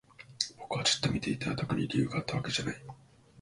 僕はじっと見ていた。特に理由があったわけじゃない。